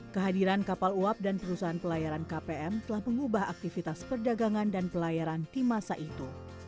kehadiran kapal uap dan perusahaan pelayaran kpm telah mengubah aktivitas perdagangan dan pelayaran di masa itu